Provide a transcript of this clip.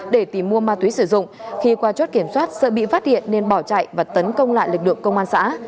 để tìm mua ma túy sử dụng khi qua chốt kiểm soát sợ bị phát hiện nên bỏ chạy và tấn công lại lực lượng công an xã